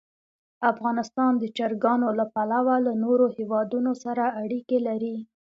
افغانستان د چرګانو له پلوه له نورو هېوادونو سره اړیکې لري.